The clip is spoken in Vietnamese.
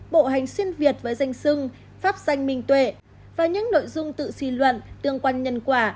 bộ hành xuyên việt với danh sưng pháp danh minh tuệ và những nội dung tự xì luận tương quanh nhân quả